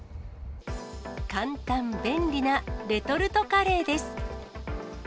簡単、便利なレトルトカレーです。